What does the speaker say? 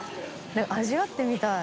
覆鵑味わってみたい。